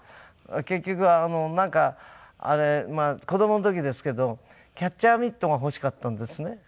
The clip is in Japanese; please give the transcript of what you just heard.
結局なんか子どもの時ですけどキャッチャーミットが欲しかったんですね。